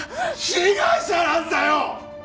被害者なんだよ！